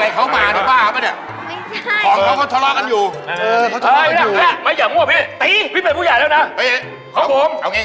มีความรู้สึกว่า